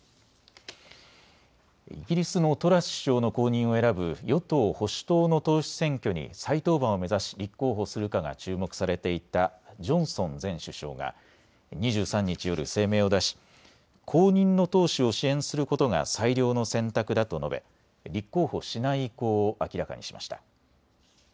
イギリスのトラス首相の後任を選ぶ与党・保守党の党首選挙に再登板を目指し立候補するかが注目されていたジョンソン前首相が２３日夜、声明を出し後任の党首を支援することが最良の選択だと述べ立候補しない意向を明らかにしました。